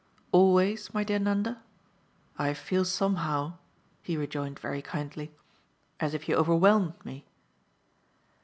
"'Always,' my dear Nanda? I feel somehow," he rejoined very kindly, "as if you overwhelmed me!"